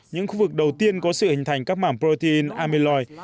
những khu vực đầu tiên có sự hình thành các mảm protein amyloid